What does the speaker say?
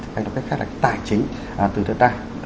các cái khác là tài chính từ đất đai